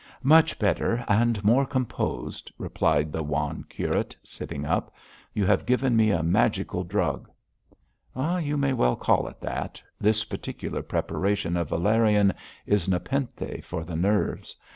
'Much better and more composed,' replied the wan curate, sitting up. 'You have given me a magical drug.' 'You may well call it that. This particular preparation of valerian is nepenthe for the nerves.